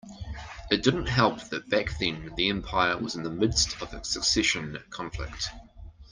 It didn't help that back then the empire was in the midst of a succession conflict.